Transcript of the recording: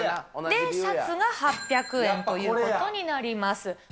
で、シャツが８００円ということになります。